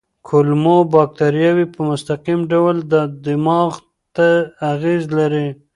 کولمو بکتریاوې په مستقیم ډول دماغ ته اغېز لري.